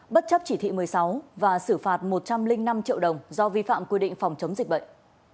bất chấp chỉ thị một mươi sáu và xử phạt một trăm linh năm triệu đồng do vi phạm quy định phòng chống dịch bệnh